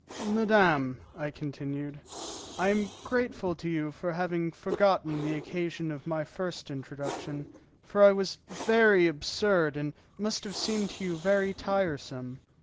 "Madame," I continued, "I am grateful to you for having forgotten the occasion of my first introduction, for I was very absurd and must have seemed to you very tiresome.